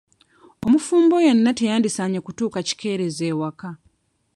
Omufumbo yenna teyandisaanye kutuuka kikeerezi ewaka.